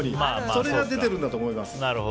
それが出てるんだと思います。